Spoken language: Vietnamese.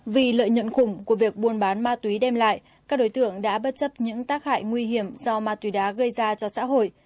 vì lợi nhuận khủng của việc buôn bán ma túy đem lại các đối tượng đã bất chấp những tác hại nguy hiểm do ma túy đá gây ra cho xã hội